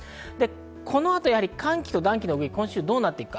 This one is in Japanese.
この後、寒気と暖気どうなっていくか。